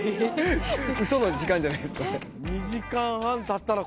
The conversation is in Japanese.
ウソの時間じゃないですこれ。